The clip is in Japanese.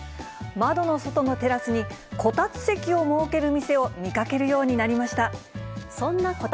窓の外のテラスに、こたつ席を設ける店を見かけるようになりました。